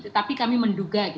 tapi kami menduga